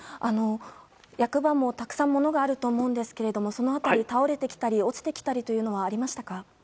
役場もたくさん物があると思うんですがその辺り、倒れてきたり落ちてきたりというのはありましたか。